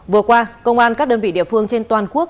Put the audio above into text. vừa qua công an các đơn vị địa phương trên toàn quốc